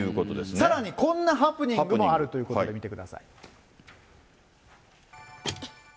さらにこんなハプニングもあるということで、見てください。